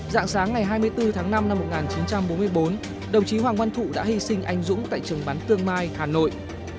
dạng sáng ngày hai mươi bốn tháng năm năm một nghìn chín trăm bốn mươi bốn đồng chí hoàng quân thụ đã hy sinh anh dũng tại trường bán tương mai hà nội